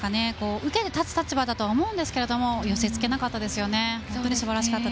受けて立つ立場だと思うんですが寄せ付けなかったですよね。